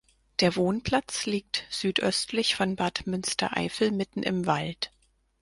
Der Wohnplatz liegt südöstlich von Bad Münstereifel mitten im Wald.